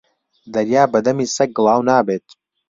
دەریا بە دەمی سەگ گڵاو نابێت